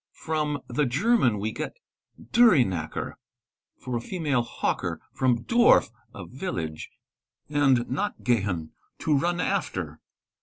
From the terman we get durrynacker, for a female hawker, from dor, 'a village," ind nachgehen, 'to run after.